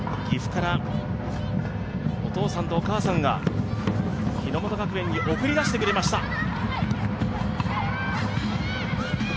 岐阜からお父さんとお母さんが日ノ本学園に送り出してくれました。